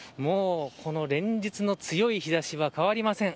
連日の強い日差しは変わりません。